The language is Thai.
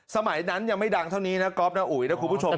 สมัยนั้นยังไม่ดังเท่านี้นะก๊อฟนะอุ๋ยนะคุณผู้ชม